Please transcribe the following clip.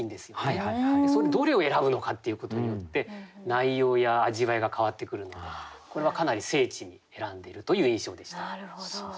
どれを選ぶのかっていうことによって内容や味わいが変わってくるのでこれはかなり精緻に選んでるという印象でした。